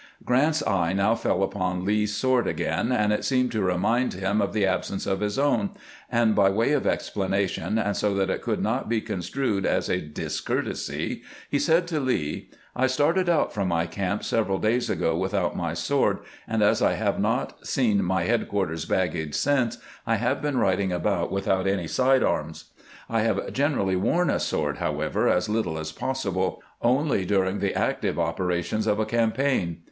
Grant's eye now fell upon Lee's sword again, and it seemed to remind him of the absence of his own, and by way of explanation, and so that it could not be construed as a discourtesy, he said to Lee :" I started out from my camp several days ago with out my sword, and as I have not seen my headquarters baggage since, I have been riding about without any side arms. I have generally worn a sword, however, as little as possible — only during the active operations of a campaign."